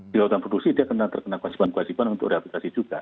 di hutan produksi dia terkena kwasipan kwasipan untuk rehabilitasi juga